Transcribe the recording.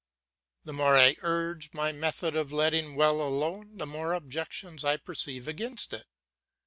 The more I urge my method of letting well alone, the more objections I perceive against it.